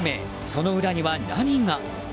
その裏には何が？